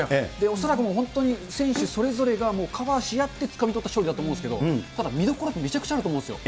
恐らく本当に、選手それぞれがカバーし合って、つかみ取った勝利だと思うんですけど、ただ見どころめちゃくちゃあると思うんですよ。